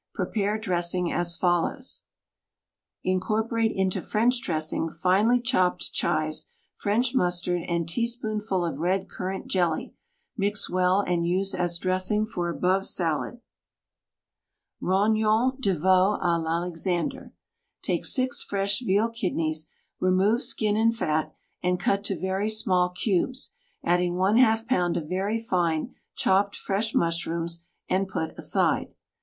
Prepare dressing as follows: Incorporate into French dressing finely chopped chives, French mustard and tea spoonful of red currant jelly; mix well and use as dress ing for above salad. ROGNONS DE VEAU A L'ALEXANDER Take six fresh veal kidneys, remove skin and fat, and cut to very small cubes, adding Yz pound of very fine chopped fresh mushrooms, and put aside.